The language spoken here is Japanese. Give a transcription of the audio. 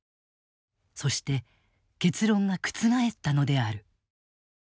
そして結論が覆ったのである。